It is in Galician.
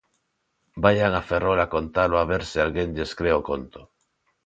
Vaian a Ferrol a contalo a ver se alguén lles cre o conto.